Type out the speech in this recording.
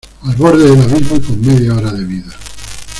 al borde del abismo y con media hora de vida